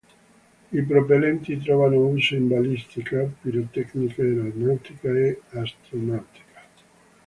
I propellenti trovano uso in balistica, pirotecnica, aeronautica e astronautica.